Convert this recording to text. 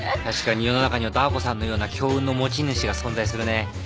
確かに世の中にはダー子さんのような強運の持ち主が存在するね。